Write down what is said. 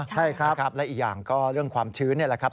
ใช่ครับและอีกอย่างก็เรื่องความชื้นนี่แหละครับ